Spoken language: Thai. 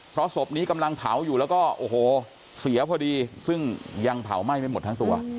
เพราะศพนี้กำลังเผาอยู่แล้วก็โอ้โหเสียพอดีซึ่งยังเผาไหม้ไม่หมดทั้งตัว